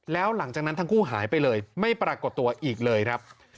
แล้วหลังจากนั้นทั้งคู่หายไปเลยไม่ปรากฏตัวอีกเลยครับ